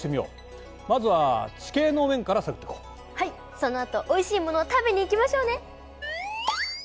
そのあとおいしいものを食べに行きましょうね！